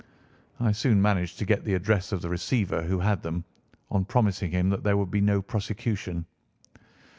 I soon managed to get the address of the receiver who had them, on promising him that there would be no prosecution.